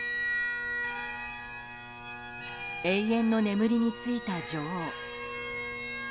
永遠の眠りについた女王。